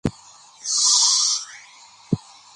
او د مازدېګر کتابپلورنځي له خوا خپور شوی دی.